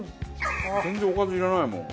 全然おかずいらないもん。